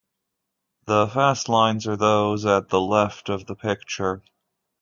The fast lines are those at the left of the picture.